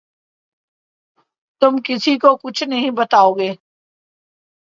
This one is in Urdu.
تم کسی کو کچھ نہیں بتاؤ گے